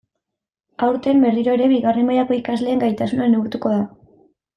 Aurten, berriro ere, bigarren mailako ikasleen gaitasuna neurtuko da.